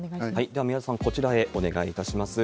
では、宮田さん、こちらへ、お願いいたします。